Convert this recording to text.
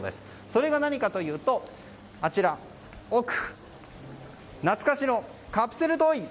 それが何かというと奥にある、懐かしのカプセルトイ。